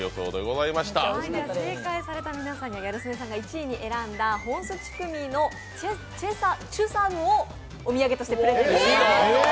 正解された皆さんにはギャル曽根さんが１位に選んだホンスチュクミのチュサムをお土産としてプレゼントします。